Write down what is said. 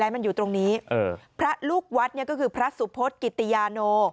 มันอยู่ตรงนี้พระลูกวัดเนี่ยก็คือพระสุพศกิติยาโน